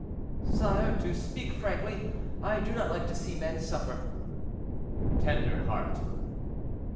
"Sire, to speak frankly, I do not like to see men suffer." "Tender heart."